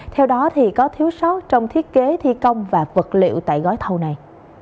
theo đó có thiếu sót trong thiết kế thi công và vật liệu tại gói thầu này